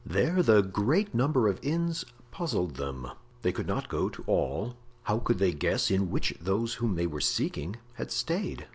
There the great number of inns puzzled them; they could not go to all; how could they guess in which those whom they were seeking had stayed?